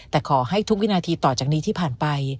แต่ขอให้ทุกวินาทีต่อจากนี้ที่ผ่านไป